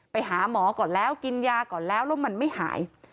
ไปหาหมอก่อนแล้วกินยาก่อนแล้วแล้วมันไม่หาย